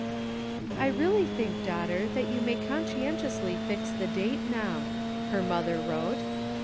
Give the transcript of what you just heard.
" I really think, daughter, that you may con scientiously fix the date now," her mother wrote.